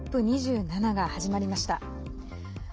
ＣＯＰ２７が始まりました。